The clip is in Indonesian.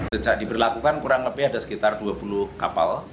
sejak diberlakukan kurang lebih ada sekitar dua puluh kapal